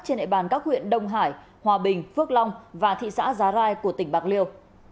trên địa bàn các huyện đông hải hòa bình phước long và thị xã giá rai của tỉnh bạc liêu